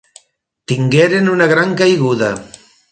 Tingueren una gran caiguda.